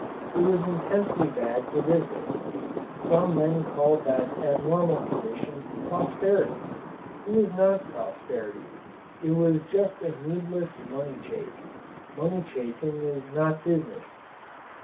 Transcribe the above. It was intensely bad for business. Some men called that abnormal condition "prosperity." It was not prosperity it was just a needless money chase. Money chasing is not business.